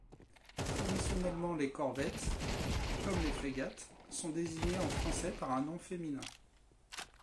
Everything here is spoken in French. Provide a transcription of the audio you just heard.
Traditionnellement, les corvettes, comme les frégates, sont désignées en français par un nom féminin.